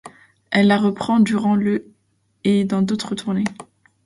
Elle la reprend durant le et dans d'autres tournées.